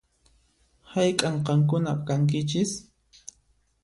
Hayk'an qankuna kankichis?